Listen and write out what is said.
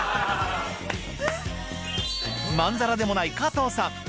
まんざらでもない加藤さん。